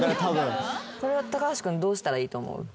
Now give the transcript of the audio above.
これは高橋君どうしたらいいと思う？